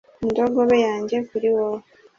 'indogobe yanjye kuri wowe